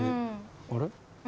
あれ？